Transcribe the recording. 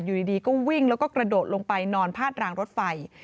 อยู่ดีก็วิ่งแล้วก็กระโดดลงไปนอนพาดรางรถไฟ